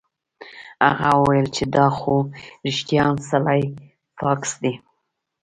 هغه وویل چې دا خو رښتیا هم سلای فاکس دی